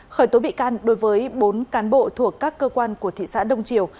khởi tố bị can đối với bốn cán bộ thuộc các cơ quan của thị xã đông triều